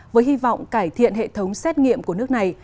với hy vọng cải thiện hệ thống xét nghiệm của nước này